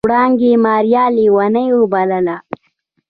وړانګې ماريا ليونۍ وبلله.